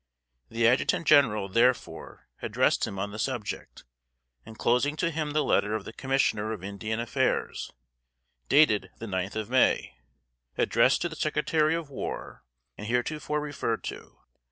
The Adjutant General, therefore, addressed him on the subject, enclosing to him the letter of the Commissioner of Indian Affairs, dated the ninth of May, addressed to the Secretary of War, and heretofore referred to.